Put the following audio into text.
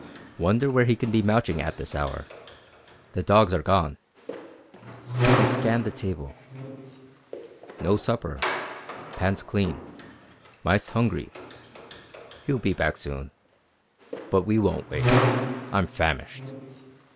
"Wonder where he can be mouching at this hour. The dogs are gone." He scanned the table. "No supper. Pans clean. Mice hungry. He'll be back soon. But we won't wait. I'm famished."